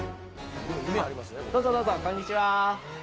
どうぞ、どうぞこんにちは。